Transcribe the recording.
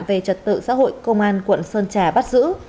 về trật tự xã hội công an quận sơn trà bắt giữ